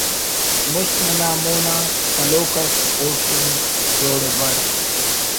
مست ننا مون آ سلوک ئس اوڑ تون جوڑ بڑ